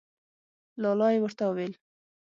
لا لا یې ورته وویل.